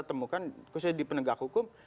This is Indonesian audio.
temukan khususnya di penegak hukum